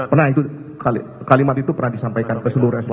pernah itu kalimat itu pernah disampaikan ke seluruh respon